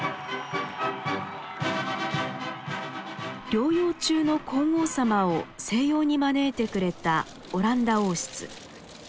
療養中の皇后さまを静養に招いてくれたオランダ王室。